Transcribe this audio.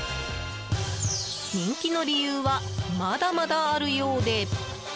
人気の理由はまだまだあるようで。